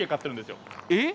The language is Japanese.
えっ！？